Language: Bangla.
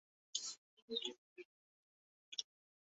কেমন করিয়া কুমুদকে সে তার ব্যাকুলতা বুঝাইবে এখন?